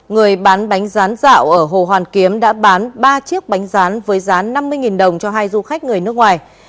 người bán bánh rán rạo ở hồ hoàn kiếm đã bán ba chiếc bánh rán với rán năm mươi đồng cho hai du khách người nước ngoài